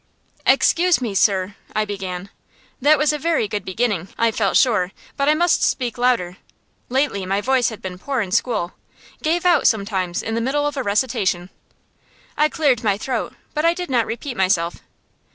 "Excuse me, sir," I began. That was a very good beginning, I felt sure, but I must speak louder. Lately my voice had been poor in school gave out, sometimes, in the middle of a recitation. I cleared my throat, but I did not repeat myself.